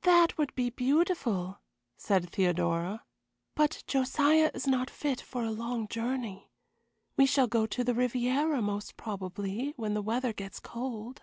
"That would be beautiful," said Theodora, "but Josiah is not fit for a long journey. We shall go to the Riviera, most probably, when the weather gets cold."